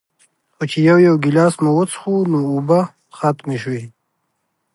خو چې يو يو ګلاس مو وڅښو نو اوبۀ ختمې شوې